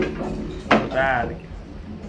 پر برگ